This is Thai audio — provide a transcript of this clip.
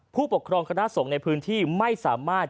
ผู้ปกครองคณะสงฆ์ในพื้นที่ไม่สามารถ